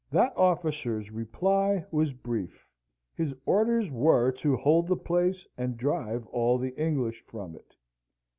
That officer's reply was brief: his orders were to hold the place and drive all the English from it.